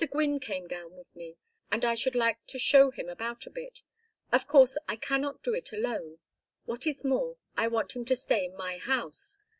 Gwynne came down with me and I should like to show him about a bit. Of course I cannot do it alone; what is more, I want him to stay in my house.